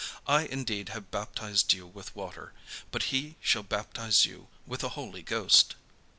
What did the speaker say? I indeed have baptized you with water: but he shall baptize you with the Holy Ghost."